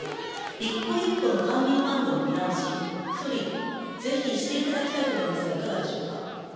一個一個の官民ファンドの見直し、総理、ぜひしていただきたいと思いますが、いかがでしょうか。